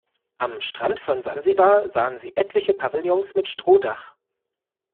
Am Strand von Sansibar sahen sie etliche Pavillons mit Strohdach.